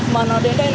mà nó đến đây nó